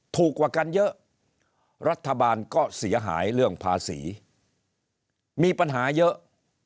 ถูกกว่ากันเยอะรัฐบาลก็เสียหายเรื่องภาษีมีปัญหาเยอะ